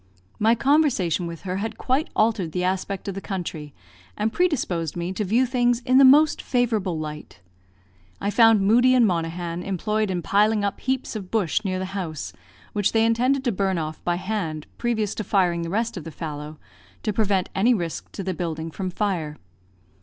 My conversation with her had quite altered the aspect of the country, and predisposed me to view things in the most favourable light. I found Moodie and Monaghan employed in piling up heaps of bush near the house, which they intended to burn off by hand previous to firing the rest of the fallow, to prevent any risk to the building from fire.